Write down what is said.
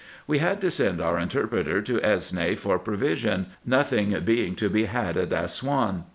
We had to send our interpreter to Esne for provision, nothing being to be had at Assouan.